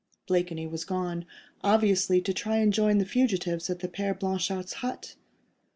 Blakeney was gone, obviously to try and join the fugitives at the Père Blanchard's hut.